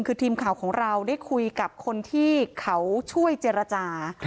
คือทีมข่าวของเราได้คุยกับคนที่เขาช่วยเจรจา